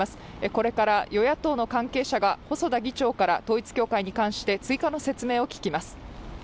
これから与野党の関係者が細田議長から統一教会に関して追加の説明を聞きます。